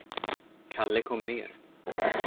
Kalle kom ner.